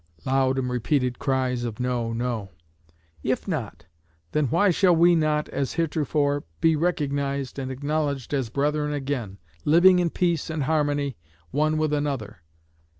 [Loud and repeated cries of 'No!' 'No!'] If not, then why shall we not, as heretofore, be recognized and acknowledged as brethren again, living in peace and harmony, one with another?